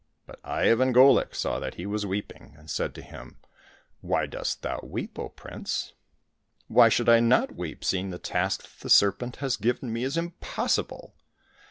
But Ivan Golik saw that he was weeping, and said to him, " Why dost thou weep, O prince ?"" Why should I not weep, seeing the task that the serpent has given me is impossible